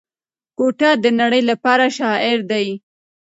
ګوته د نړۍ لپاره شاعر دی.